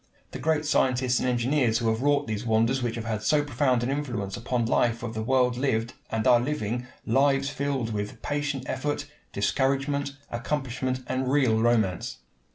The great scientists and engineers who have wrought these wonders which have had so profound an influence upon the life of the world lived, and are living, lives filled with patient effort, discouragement, accomplishment, and real romance.